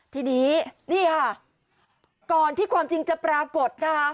ทีนี้นี่ค่ะก่อนที่ความจริงจะปรากฏนะคะ